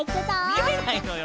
みえないのよ。